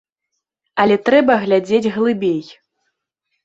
Але трэба глядзець глыбей.